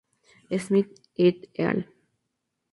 Smith "et al.